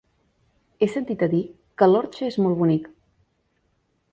He sentit a dir que l'Orxa és molt bonic.